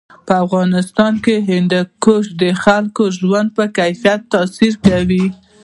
په افغانستان کې هندوکش د خلکو د ژوند په کیفیت تاثیر کوي.